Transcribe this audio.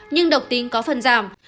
nhưng độc tính có phần giảm